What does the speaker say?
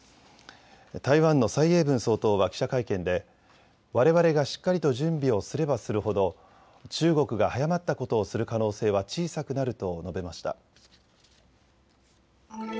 台湾の蔡英文総統は記者会見でわれわれがしっかりと準備をすればするほど中国が早まったことをする可能性は小さくなると述べました。